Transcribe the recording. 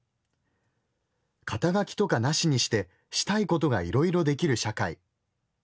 「肩書とか無しにしてしたいことがいろいろできる社会。